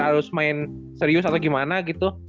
harus main serius atau gimana gitu